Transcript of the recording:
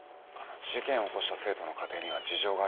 事件を起こした生徒の家庭には事情がありまして。